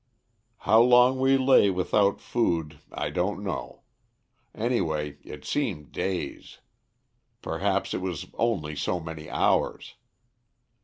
"How long we lay without food I don't know; anyway, it seemed days. Perhaps it was only so many hours.